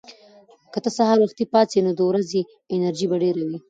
که ته سهار وختي پاڅې، نو د ورځې انرژي به ډېره وي.